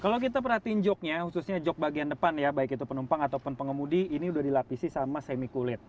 kalau kita perhatiin jognya khususnya jog bagian depan ya baik itu penumpang ataupun pengemudi ini sudah dilapisi sama semi kulit